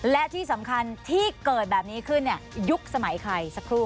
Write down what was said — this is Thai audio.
และที่สำคัญที่เกิดแบบนี้ขึ้นยุคสมัยใครสักครู่